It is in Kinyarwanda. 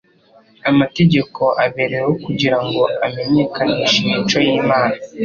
Amategeko abereyeho kugira ngo amenyekanishe imico y'Imana;